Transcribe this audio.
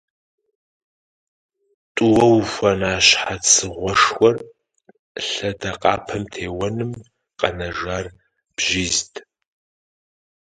ТӀууэ ухуэна щхьэцыгъуэшхуэр лъэдакъэпэм теуэным къэнэжыр бжьизт.